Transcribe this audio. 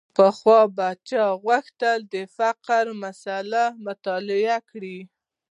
پخوا به چا غوښتل د فقر مسأله مطالعه کړي.